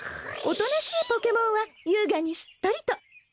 おとなしいポケモンは優雅にしっとりと。